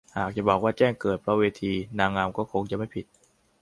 หากจะบอกว่าแจ้งเกิดเพราะเวทีนางงามก็คงจะไม่ผิด